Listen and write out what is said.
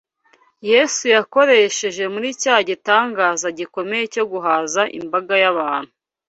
Yesu yakoresheje muri cya gitangaza gikomeye cyo guhaza imbaga y’abantu.